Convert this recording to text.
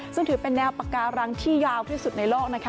ซึ่งถือเป็นแนวปาการังที่ยาวที่สุดในโลกนะคะ